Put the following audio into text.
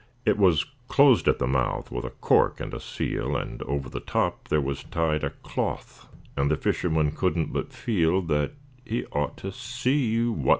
It was closed at the mouth with a cork and a seal, And over the top there was tied A cloth, and the fisherman couldn't but feel That he ought to see what was inside.